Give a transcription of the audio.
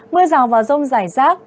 mưa rào vào rông dài rác